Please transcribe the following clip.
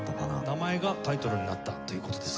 名前がタイトルになったという事ですよね。